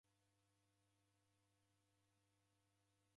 W'andu w'engi w'akungira kwa siasa.